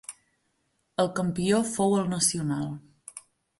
El campió fou el Nacional.